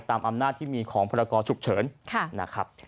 ตามอำนาจที่มีของพละกอสุขเฉิน